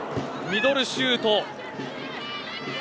ミドルシュート。